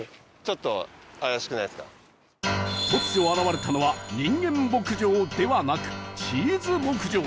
突如現れたのは人間牧場ではなくチーズ牧場